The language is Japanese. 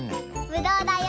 ぶどうだよ！